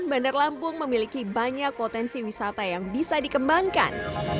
bandar lampung memiliki banyak potensi wisata yang bisa dikembangkan